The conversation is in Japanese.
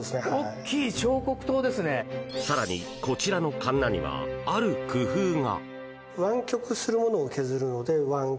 更に、こちらのカンナにはある工夫が。